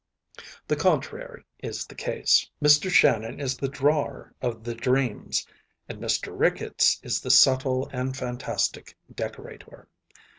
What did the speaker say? The contrary is the case. Mr. Shannon is the drawer of the dreams, and Mr. Ricketts is the subtle and fantastic decorator.